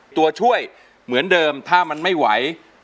ตัวช่วยเหมือนเดิมถ้ามันไม่ไหว